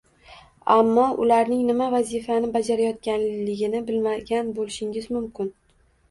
ammo ularning nima vazifani bajarayotganligini bilmagan bo’lishingiz mumkin